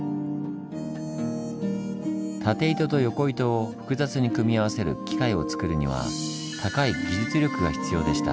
縦糸と横糸を複雑に組み合わせる機械をつくるには高い技術力が必要でした。